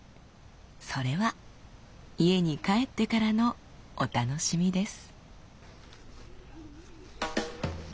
それは家に帰ってからのお楽しみです。